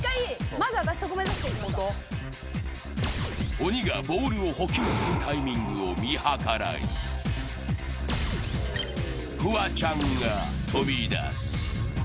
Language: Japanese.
鬼がボールを捕球するタイミングを見計らい、フワちゃんが飛び出す。